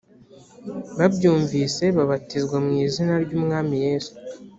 babyumvise babatizwa mu izina ry umwami yesu